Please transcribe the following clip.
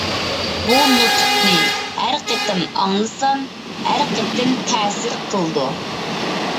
بۇ نۇتۇقنى ھەر قېتىم ئاڭلىسام ھەر قېتىم تەسىر قىلىدۇ.